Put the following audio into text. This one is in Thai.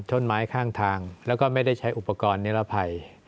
ต้นไม้ข้างทางแล้วก็ไม่ได้ใช้อุปกรณ์นิรภัย